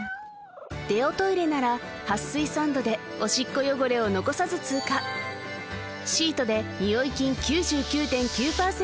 デオトイレなら撥水サンドでオシッコ汚れを残さず通過シートでニオイ菌９９．９％